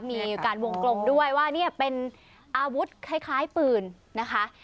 มีการวงกลมด้วยว่าเนี่ยเป็นอาวุธคล้ายปืนนะคะ